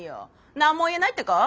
何も言えないってか？